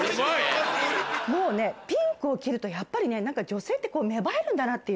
もうねピンクを着るとやっぱりね女性ってこう芽生えるんだなっていう。